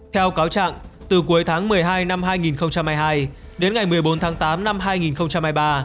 theo cáo trạng từ cuối tháng một mươi hai năm hai nghìn hai mươi hai đến ngày một mươi bốn tháng tám năm hai nghìn hai mươi ba